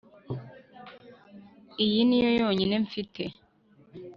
Iyi niyo yonyine mfite